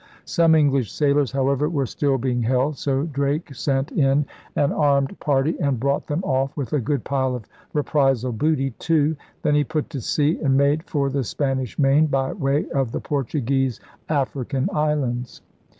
Some English sailors, however, were still being held; so Drake sent in an armed 156 ELIZABETHAN SEA DOGS party and brought them oflF, with a good pile of reprisal booty too. Then he put to sea and made for the Spanish Main by way of the Portuguese African islands.